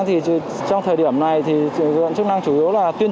trong thời điểm này lực lượng chức năng chủ yếu là tuyên bố